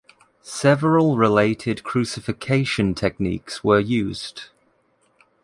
Several related crucifixion techniques were used.